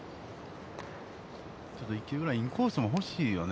ちょっと１球ぐらいインコースも欲しいよね。